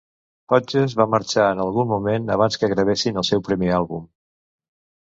Hodges va marxar en algun moment abans que gravessin el seu primer àlbum.